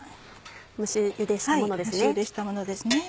蒸しゆでしたものですね。